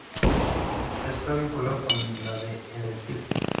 Está vinculado con la en el Tíbet.